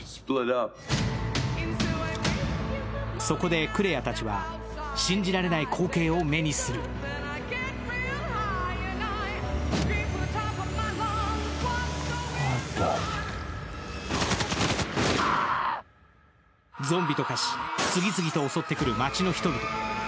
そこでクレアたちは、信じられない光景を目にするゾンビと化し、次々と襲ってくる街の人々。